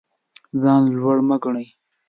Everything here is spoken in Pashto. ځان لوړ مه ګڼئ.